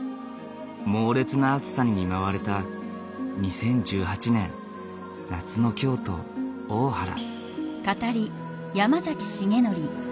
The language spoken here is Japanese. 猛烈な暑さに見舞われた２０１８年夏の京都大原。